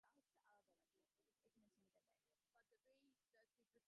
জগতে যতপ্রকার শক্তির বিকাশ দেখা যায়, সবই প্রাণের সংযম হইতে উৎপন্ন।